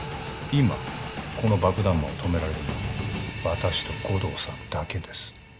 今この爆弾魔を止められるのは私と護道さんだけです